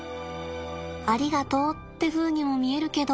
ありがとうってふうにも見えるけど。